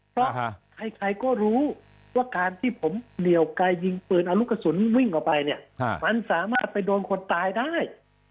เพราะใครก็รู้ว่าการที่ผมเหนียวไกลยิงปืนเอาลูกกระสุนวิ่งออกไปเนี่ยมันสามารถไปโดนคนตายได้